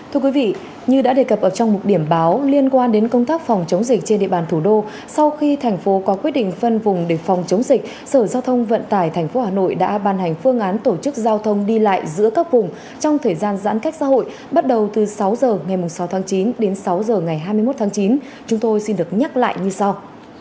thưa quý vị như đã đề cập ở trong một điểm báo liên quan đến công tác phòng chống dịch trên địa bàn thủ đô sau khi thành phố có quyết định phân vùng để phòng chống dịch sở giao thông vận tải tp hà nội đã ban hành phương án tổ chức giao thông đi lại giữa các vùng trong thời gian giãn cách xã hội bắt đầu từ sáu h ngày sáu tháng chín đến sáu h ngày hai mươi một tháng chín chúng tôi xin được nhắc lại như sau